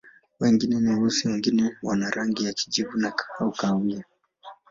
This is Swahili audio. Wengine ni weusi, wengine wana rangi ya kijivu au kahawia.